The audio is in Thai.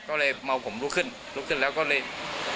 ช่วยเร่งจับตัวคนร้ายให้ได้โดยเร่ง